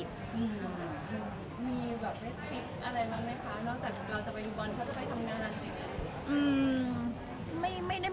อีกหรือนอกจากเราจะไปดูบอลเขาจะไปทำงาน